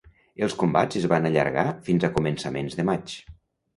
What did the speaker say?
Els combats es van allargar fins a començaments de maig.